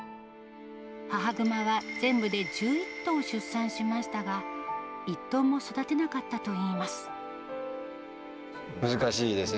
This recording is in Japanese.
母グマは全部で１１頭出産しましたが、１頭も育てなかったといい難しいですね。